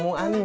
ya udah dah